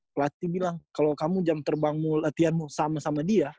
pelatih bilang kalau kamu jam terbangmu latihanmu sama sama dia